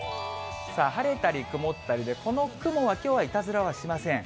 さあ、晴れたり曇ったりで、この雲はきょうはいたずらはしません。